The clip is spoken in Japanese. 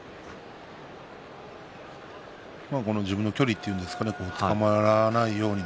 自分の距離というんですかねつかまらないように。